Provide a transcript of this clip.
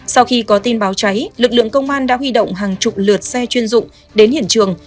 sau khi có tin báo cháy lực lượng công an đã huy động hàng chục lượt xe chuyên dụng đến hiện trường